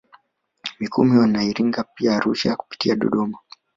Mikumi na Iringa pia Arusha kupitia Dodoma